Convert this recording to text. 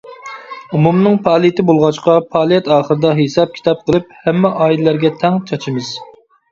ئومۇمنىڭ پائالىيىتى بولغاچقا، پائالىيەت ئاخىرىدا ھېساب-كىتاب قىلىپ، ھەممە ئائىلىلەرگە تەڭ چاچىمىز.